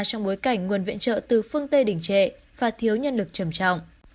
trong bối cảnh nguồn viện trợ từ phương tây đỉnh trệ và thiếu nhân lực trầm trọng